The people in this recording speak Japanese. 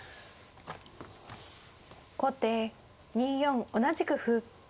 後手２四同じく歩。